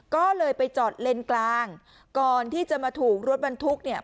ก็เลยไปจอดเลนกลางก่อนที่จะมาถูกรถบรรทุกเนี่ย